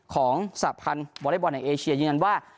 ของสาธารณบอเล็กบอลในเอเชียยืนยันว่า